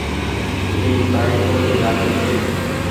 اي ڪآئي ڪونيٚ لآگي ڇي۔